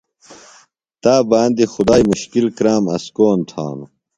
تا باندیۡ خدائی مُشکِل کرام اسکون تھانوۡ۔